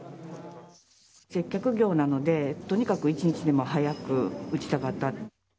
接客業なので、とにかく一日でも早く打ちたかった。